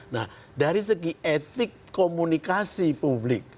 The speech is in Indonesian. nah dari segi etik komunikasi publik